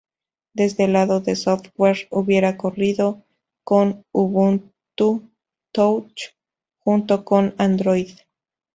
Desde el lado del software, hubiera corrido con Ubuntu Touch junto con Android.